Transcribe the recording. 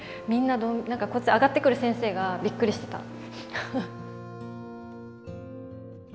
みんなこっち上がってくる先生がびっくりしてた。